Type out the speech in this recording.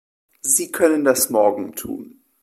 Sie können das morgen tun.